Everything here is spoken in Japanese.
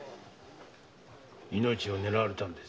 命を狙われたんだ。